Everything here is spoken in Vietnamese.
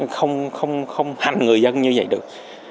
không hành người dân như vậy được